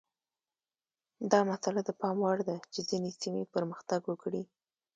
دا مسئله د پام وړ ده چې ځینې سیمې پرمختګ وکړي.